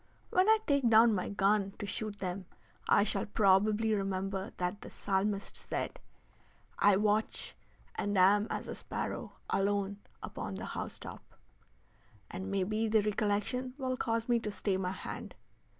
When I take down my gun to shoot them I shall probably remember that the Psalmist said, "I watch, and am as a sparrow alone upon the house top," and maybe the recollection will cause me to stay my hand.